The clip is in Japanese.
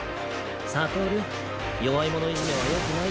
悟弱い者イジメはよくないよ。